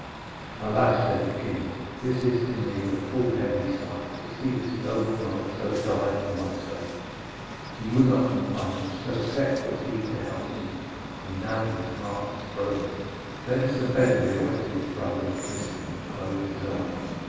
'Alas,' said the king, 'this is to me a full heavy sight, to see this noble knight so die for my sake. He would not complain, so set was he to help me, and now his heart has broken.' Then Sir Bedevere went to his brother and kissed him, and closed his eyes.